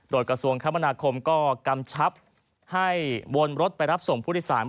โดยกระทรวงคมนาคมก็กำชับให้วนรถไปรับส่งผู้โดยสาร